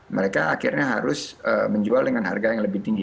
mereka akhirnya harus menjual dengan harga yang lebih tinggi